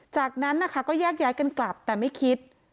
จากนั้นนะคะก็แยกย้ายกันกลับแต่ไม่คิด